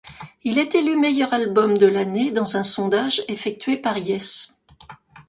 Il est élu meilleur album de l'année dans un sondage effectué par Yes.